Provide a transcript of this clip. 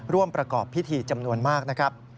ร่วมประกอบพิธีจำนวนมากนะครับ